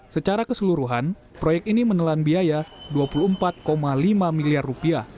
secara keseluruhan proyek ini menelan biaya rp dua puluh empat lima miliar